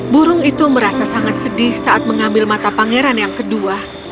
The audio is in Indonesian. burung itu merasa sangat sedih saat mengambil mata pangeran yang kedua